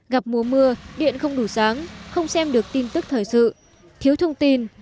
gặp mùa mưa điện không đủ sáng không xem được tin tức thời sự thiếu thông tin